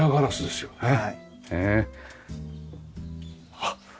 あっ。